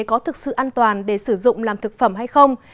có thực sự an toàn để sử dụng làm thực phẩm hay không